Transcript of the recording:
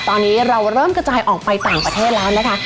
ตอนนี้เราเริ่มกระจายออกไปต่างประเทศแล้วนะคะ